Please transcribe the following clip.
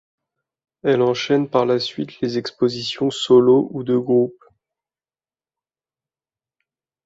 Elle enchaine par la suite les expositions solo ou de groupes.